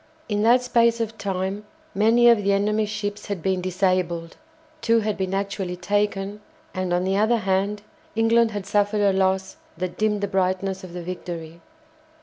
In that space of time many of the enemy's ships had been disabled, two had been actually taken; and, on the other hand, England had suffered a loss that dimmed the brightness of the victory.